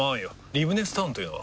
リブネスタウンというのは？